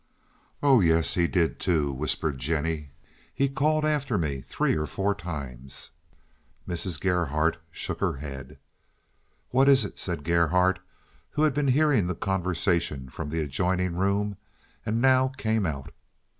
"Oh yes, he did, too," whispered Jennie. "He called after me three or four times." Mrs. Gerhardt shook her head. "What is it?" said Gerhardt, who had been hearing the conversation from the adjoining room, and now came out.